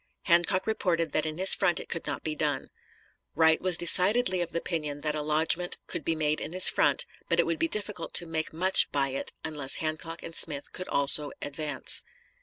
Hancock reported that in his front it could not be done. Wright was decidedly of the opinion that a lodgment could be made in his front, but it would be difficult to make much by it unless Hancock and Smith could also advance.